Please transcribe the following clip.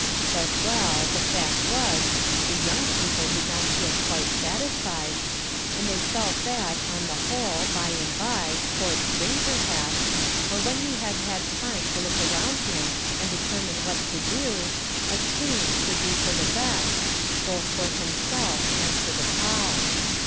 But, well, the fact was the "young people" did not feel quite satisfied, and they felt that, on the whole, by and by, toward spring, perhaps, or when he had had time to look around him and determine what to do, a change would be for the best, both, for himself and for the cause.